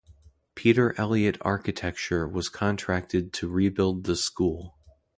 Peter Elliot Architecture was contracted to rebuild the school.